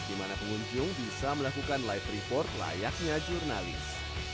di mana pengunjung bisa melakukan live report layaknya jurnalis